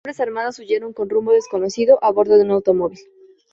Los hombres armados huyeron con rumbo desconocido a bordo de un automóvil.